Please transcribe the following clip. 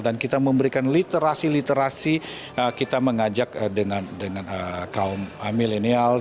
dan kita memberikan literasi literasi kita mengajak dengan kaum milenial